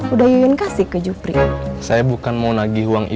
udah gak usah ngomongin dia